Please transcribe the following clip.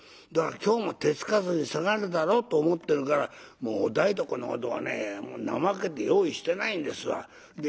だから今日も手付かずで下がるだろうと思ってるからもうお台所の方ではね怠けて用意してないんですわ。